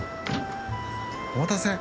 「お待たせ」。